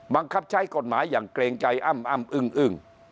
บังคับใช้กฎหมายอย่างเกรงใจอ้ำอ้ำอึ้งอึ้ง